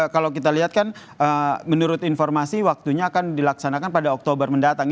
kalau kita lihat kan menurut informasi waktunya akan dilaksanakan pada oktober mendatang